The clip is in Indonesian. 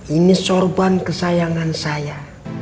ini sorban kesayangan saya